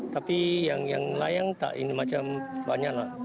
tapi yang layang ini banyak